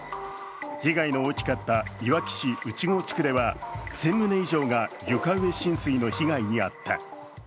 被害の大きかった、いわき市内郷地区では、１０００棟以上が床上浸水の被害に遭った。